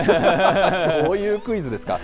そういうクイズですか？